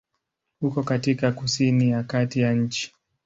Uko katika kusini ya kati ya nchi.